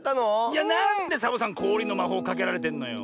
いやなんでサボさんこおりのまほうかけられてんのよ。